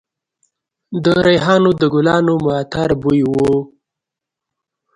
د ریحانو د ګلانو معطر بوی و